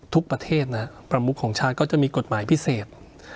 ประเทศนะฮะประมุขของชาติก็จะมีกฎหมายพิเศษ